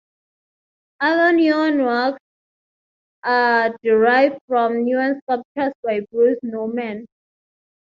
Other neon works are derived from neon sculptures by Bruce Nauman.